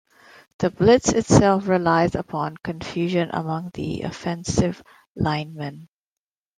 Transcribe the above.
The blitz itself relies upon confusion among the offensive linemen.